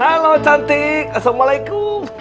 halo cantik assalamualaikum